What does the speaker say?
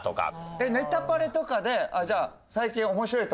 『ネタパレ』とかでじゃあ。